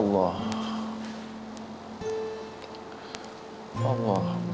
ya makasih ya